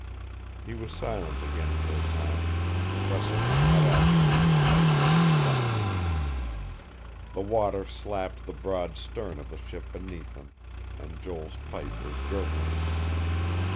He was silent again for a time, pressing the hot ashes in his pipe with his thumb. The water slapped the broad stern of the ship beneath them, and Joel's pipe was gurgling.